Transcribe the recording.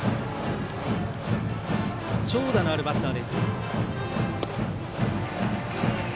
長打のあるバッターです。